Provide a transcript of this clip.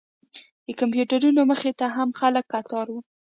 د کمپیوټرونو مخې ته هم خلک کتار و.